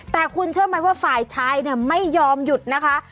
แต่คุณเชื่อไหมว่าฝ่ายชายเนี่ยไม่ยอมหยุดนะคะ